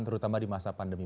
terutama di masa pandemi